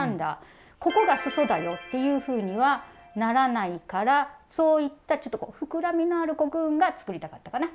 ここがすそだよっていうふうにはならないからそういったちょっと膨らみのあるコクーンが作りたかったかな。